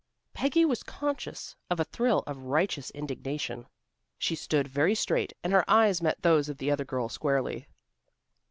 Peggy was conscious of a thrill of righteous indignation. She stood very straight and her eyes met those of the other girl squarely.